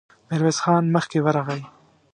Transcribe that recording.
ميرويس خان مخکې ورغی.